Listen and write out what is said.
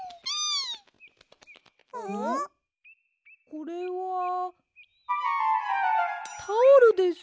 これはタオルです。